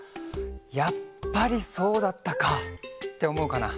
「やっぱりそうだったか！」っておもうかな。